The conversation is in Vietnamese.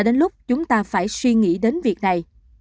đến lúc chúng ta phải suy nghĩ đến việc này